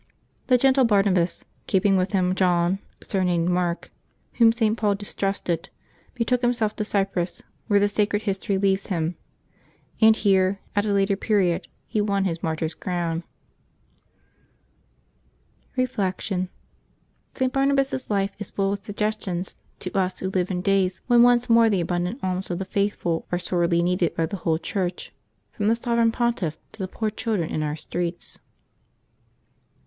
The gentle Barnabas, keeping with him John, surnamed Mark, whom St. Paul distrusted, betook June 12] LIVES OF THE SAINTS 215 himself to Cyprus, where the sacred history leaves him; and here, at a later period, he won his martyr's crown. Reflection. — St. Barnabas's life is full of suggestions to us who live in days when once more the abundant alms of the faithful are sorely needed by the whole Church, from the Sovereign Pontiff to the poor children in our streets.